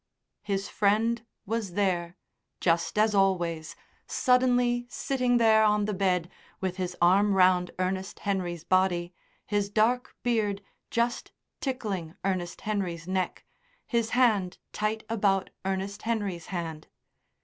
His friend was there, just as always, suddenly sitting there on the bed with his arm round Ernest Henry's body, his dark beard just tickling Ernest Henry's neck, his hand tight about Ernest Henry's hand.